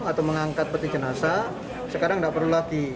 atau mengangkat peti jenazah sekarang tidak perlu lagi